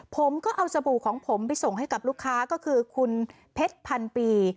ผมก็เอาสบู่ของผมไปส่งให้กับลูกค้าก็คือคุณเพชรพันปี